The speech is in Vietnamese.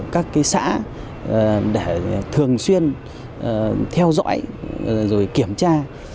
các cái xã để thường xuyên theo dõi rồi kiểm tra